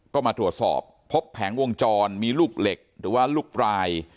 ก็มาตรวจสอบพบแผงวงจรมีลูกเหล็กหรือว่าลูกปลาย